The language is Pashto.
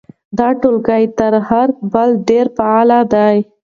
دا ټولګی تر هغه بل ډېر فعال دی.